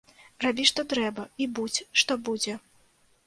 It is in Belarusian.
Рабі што трэба, і будзь што будзе!